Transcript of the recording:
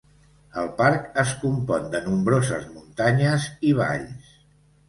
El parc es compon de nombroses muntanyes i valls.